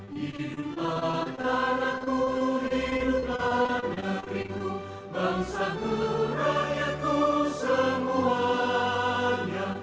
hiduplah tanahku hiduplah negeriku bangsa ku rakyatku semua